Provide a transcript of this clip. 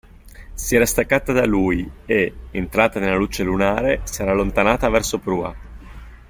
Si era staccata da lui e, entrata nella luce lunare, si era allontanata verso prua.